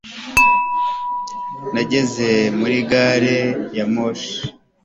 nageze muri gari ya moshi